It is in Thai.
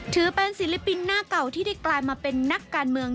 ถือเป็นศิลปินหน้าเก่าที่ได้กลายมาเป็นนักการเมือง